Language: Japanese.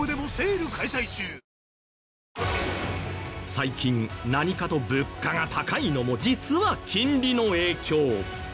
最近何かと物価が高いのも実は金利の影響。